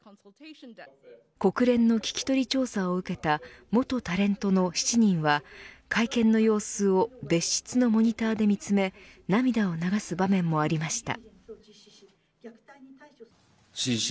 国連の聞き取り調査を受けた元タレントの７人は会見の様子を別室のモニターで見つめ涙を流す場面もありました。